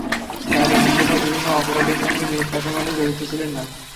ডালিম হোটেলসহ বিভিন্ন অপরাধের সঙ্গে মীর কাসেম আলী জড়িত ছিলেন না।